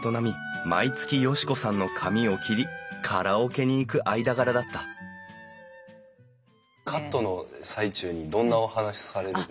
毎月嘉子さんの髪を切りカラオケに行く間柄だったカットの最中にどんなお話されたんですか？